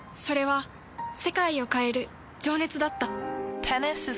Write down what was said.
それは世界を変える情熱だった。